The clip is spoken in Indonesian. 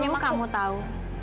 dari dulu kamu tahu